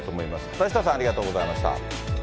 畑下さん、ありがとうございました。